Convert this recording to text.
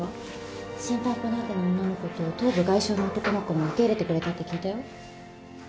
心タンポナーデの女の子と頭部外傷の男の子も受け入れてくれたって聞いたよ。